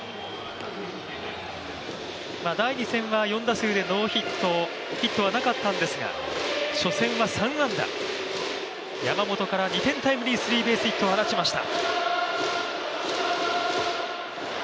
第２戦は４打数でノーヒット、ヒットはなかったんですが初戦は３安打、山本から２点タイムリースリーベースヒットを放ちました。